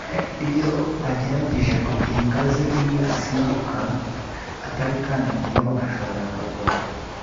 iyo agerageje kugira ingazi imwe asimbuka atayikandagiyeho ashobora kugwa